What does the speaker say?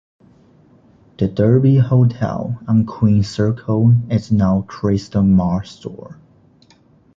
The Derby Hotel on Queen's Circle is now a Crystal Mart store.